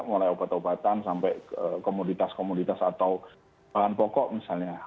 mulai obat obatan sampai komoditas komoditas atau bahan pokok misalnya